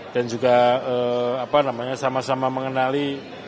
dan juga sama sama mengenali